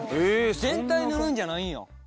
全体塗るんじゃないんや。